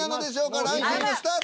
ランキングスタート！